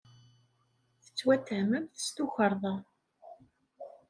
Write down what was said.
Tettwattehmemt s tukerḍa.